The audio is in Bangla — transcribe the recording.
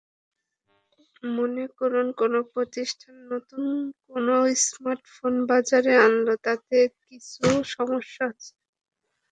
মনে করুন কোনো প্রতিষ্ঠান নতুন কোনো স্মার্টফোন বাজারে আনল, যাতে কিছু সমস্যা আছে।